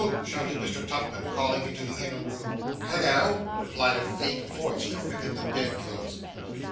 shouted Mr. Tupman, calling into the inner room. 'Hollo!' replied a faint voice from within the bed clothes.